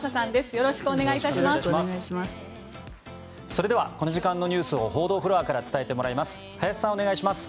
よろしくお願いします。